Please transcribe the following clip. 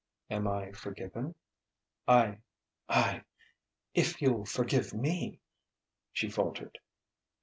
"Am I forgiven?" "I I if you'll forgive me " she faltered.